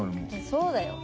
そうだよ。